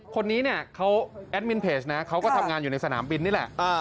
คนนี้เนี่ยเขาแอดมินเพจนะเขาก็ทำงานอยู่ในสนามบินนี่แหละ